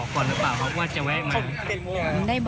ความฝันหล่อง่ายนะ